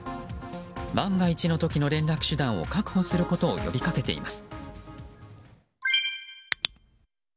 万が一の時の連絡手段を確保することを呼びかけています。